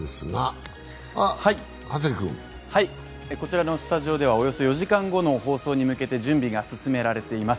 こちらのスタジオではおよそ４時間後の放送に向けて準備が進められています。